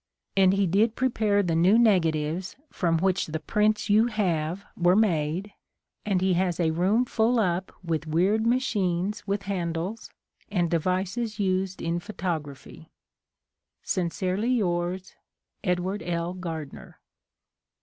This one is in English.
And he did prepare the new nega tives from which the prints you have were made, and he has a room full up with weird machines with handles and devices used in photography. ... Sincerely yours, Edw. L. Gardner.